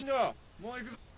もう行くぞ。